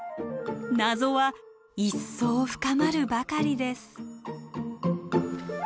謎は一層深まるばかりです。